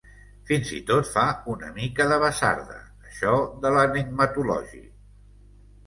Fins i tot fa una mica de basarda, això de l'enigmatology.